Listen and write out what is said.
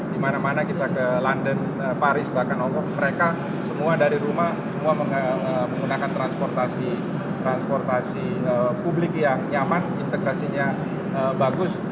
di mana mana kita ke london paris bahkan hongkong mereka semua dari rumah semua menggunakan transportasi publik yang nyaman integrasinya bagus